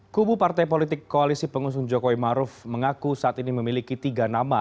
kubu partai politik koalisi pengusung jokowi maruf mengaku saat ini memiliki tiga nama